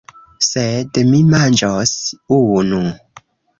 Sed mi manĝos unu!